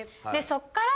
そっから。